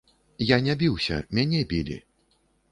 Я не біўся, мяне білі.